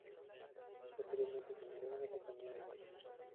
Posteriormente se añadió una compañía de ballet.